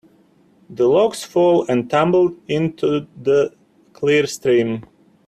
The logs fell and tumbled into the clear stream.